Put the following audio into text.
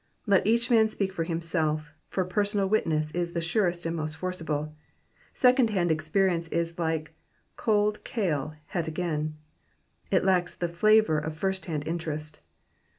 Let each man speak for himself, for a personal witness is the surest and most forcible ; second hand experience is like cauld kale het again ;'' it lucks the flavour of first hand interest.